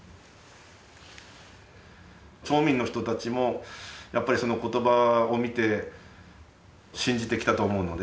町民の人たちもやっぱりその言葉を見て信じてきたと思うので。